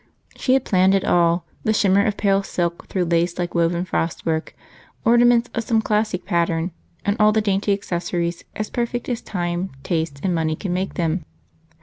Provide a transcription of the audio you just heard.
She had planned it all, the shimmer of pale silk through lace like woven frostwork, ornaments of some classic pattern, and all the dainty accessories as perfect as time, taste, and money could make them.